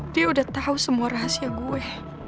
dia udah tahu semua rahasia gue